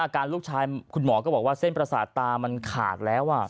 ลูกชายคุณหมอก็บอกว่าเส้นประสาทตามันขาดแล้ว